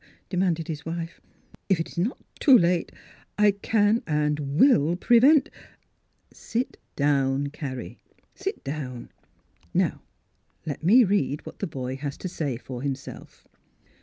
demanded his wife. " If it is not too hite I can and will prevent —"" Sit down, Carrie ; sit down. Now, let me read what the boy has to say for himself."